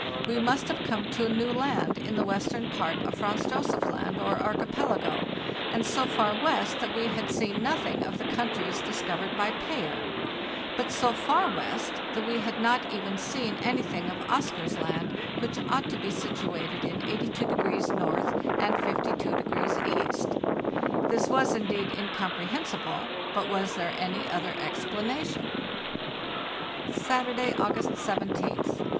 We must have come to a new land in the western part of Franz Josef Land or Archipelago, and so far west that we had seen nothing of the countries discovered by Payer. But so far west that we had not even seen anything of Oscar's Land, which ought to be situated in 82° N. and 52° E.? This was indeed incomprehensible; but was there any other explanation ? LAND AT LAST 355 "Saturday, August 17th.